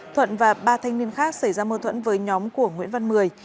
thuận và ba thanh niên khác xảy ra mâu thuẫn với nhóm của nguyễn văn mười